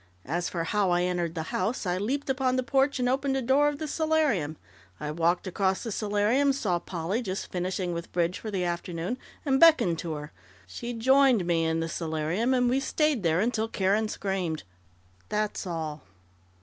As for how I entered the house, I leaped upon the porch and opened a door of the solarium. I walked across the solarium, saw Polly just finishing with bridge for the afternoon, and beckoned to her. She joined me in the solarium, and we stayed there until Karen screamed.... That's all."